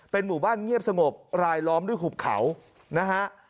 หมู่บ้านเงียบสงบรายล้อมด้วยหุบเขานะฮะ